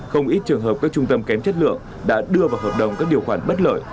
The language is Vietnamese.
không ít trường hợp các trung tâm kém chất lượng đã đưa vào hợp đồng các điều khoản bất lợi